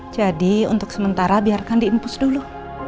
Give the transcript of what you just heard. jadi untuk sementara biarkan diimpus dulu